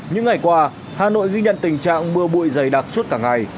những ngày qua hà nội ghi nhận tình trạng mưa bụi dày đặc suốt cả ngày